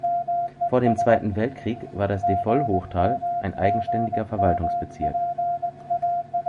Vor dem Zweiten Weltkrieg war das Devoll-Hochtal ein eigenständiger Verwaltungsbezirk.